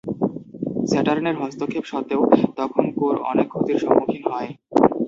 স্যাটার্নের হস্তক্ষেপ সত্ত্বেও, তখন কোর অনেক ক্ষতির সম্মুখীন হয়।